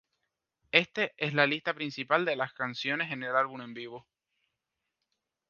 Este es la lista principal de las canciones en el álbum en vivo.